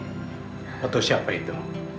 hai raffi atau siapa itu